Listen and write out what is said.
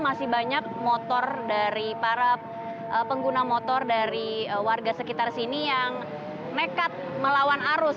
masih banyak motor dari para pengguna motor dari warga sekitar sini yang nekat melawan arus